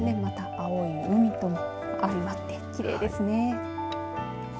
青い海と相まってきれいですね。